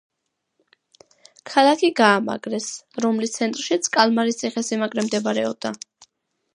ქალაქი გაამაგრეს, რომლის ცენტრშიც კალმარის ციხესიმაგრე მდებარეობდა.